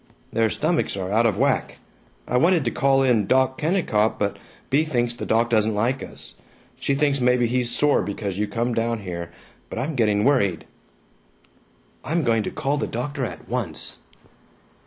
"Their stomachs are out of whack. I wanted to call in Doc Kennicott, but Bea thinks the doc doesn't like us she thinks maybe he's sore because you come down here. But I'm getting worried." "I'm going to call the doctor at once."